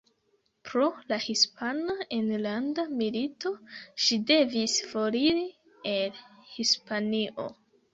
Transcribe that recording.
Pro la Hispana Enlanda Milito, ŝi devis foriri el Hispanio.